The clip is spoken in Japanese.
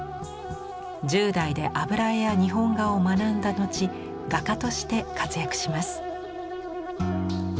１０代で油絵や日本画を学んだ後画家として活躍します。